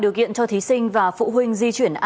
tích cực chuyên truyền